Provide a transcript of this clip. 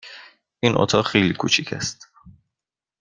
این اتاق خیلی کوچک است.